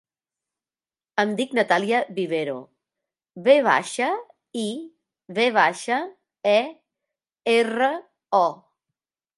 Em dic Natàlia Vivero: ve baixa, i, ve baixa, e, erra, o.